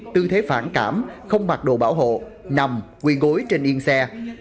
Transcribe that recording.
tư thế phản cảm không mặc đồ bảo hộ nằm quyền gối trên yên xe